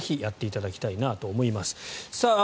ぜひやっていただきたいなと思います。